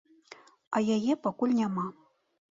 А яе пакуль няма.